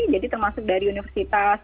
jadi termasuk dari universitas